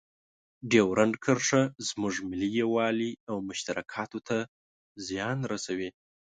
ډیورنډ کرښه زموږ ملي یووالي او مشترکاتو ته زیان رسوي.